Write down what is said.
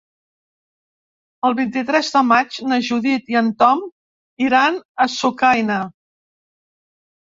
El vint-i-tres de maig na Judit i en Tom iran a Sucaina.